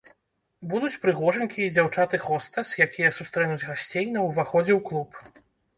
Будуць прыгожанькія дзяўчаты-хостэс, якія сустрэнуць гасцей на ўваходзе ў клуб.